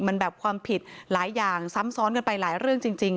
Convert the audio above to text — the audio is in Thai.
มันแบบความผิดหลายอย่างซ้ำซ้อนกันไปหลายเรื่องจริง